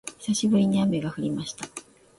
久しぶりに雨が降りました